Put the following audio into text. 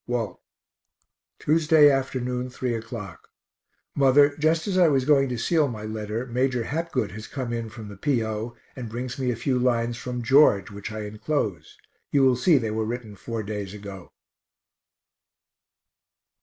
WALT. Tuesday afternoon, 3 o'clock. Mother, just as I was going to seal my letter, Major Hapgood has come in from the P. O. and brings me a few lines from George, which I enclose you will see they were written four days ago.